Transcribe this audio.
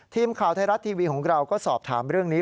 ทีมข่าวไทยรัฐทีวีของเราก็สอบถามเรื่องนี้